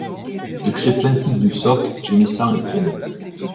Le cri plaintif du soc, gémissant et traîné